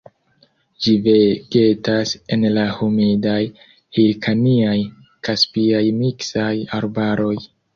Ĝi vegetas en la humidaj hirkaniaj-kaspiaj miksaj arbaroj.